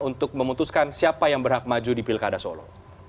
untuk memutuskan siapa yang berhak maju di pilkada solo